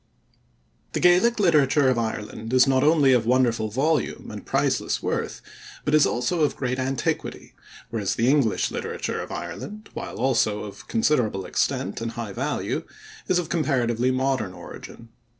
The Gaelic literature of Ireland is not only of wonderful volume and priceless worth, but is also of great antiquity, whereas the English literature of Ireland, while also of considerable extent and high value, is of comparatively modern origin.